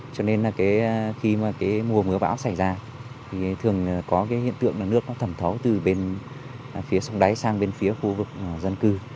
cho nên là khi mà cái mùa mưa bão xảy ra thì thường có cái hiện tượng là nước nó thẩm thấu từ bên phía sông đáy sang bên phía khu vực dân cư